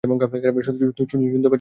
শুনতে পাচ্ছিস আমার কথা?